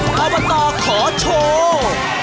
อบตขอโชว์